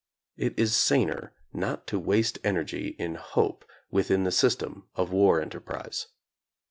It is saner not to waste energy in hope within the system of war enterprise.